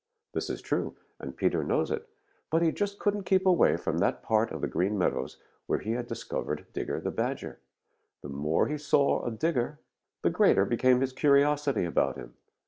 This is true, and Peter knows it, but he just couldn't keep away from that part of the Green Meadows where he had discovered Digger the Badger. The more he saw of Digger, the greater became his curiosity about him.